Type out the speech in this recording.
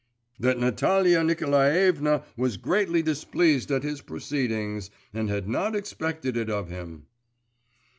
… 'That Natalia Nikolaevna was greatly displeased at his proceedings, and had not expected it of him.